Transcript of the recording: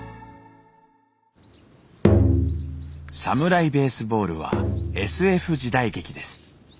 「サムライ・ベースボール」はＳＦ時代劇です。